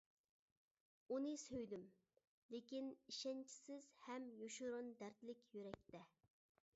ئۇنى سۆيدۈم، لېكىن ئىشەنچسىز، ھەم يوشۇرۇن دەردلىك يۈرەكتە.